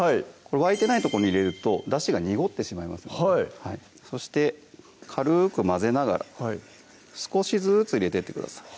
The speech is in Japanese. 沸いてないとこに入れるとだしが濁ってしまいますのでそして軽く混ぜながら少しずつ入れてってください